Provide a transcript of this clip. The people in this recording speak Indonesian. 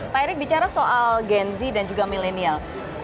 pak erik bicara soal gen z dan juga milenial